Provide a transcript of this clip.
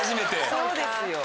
そうですよ。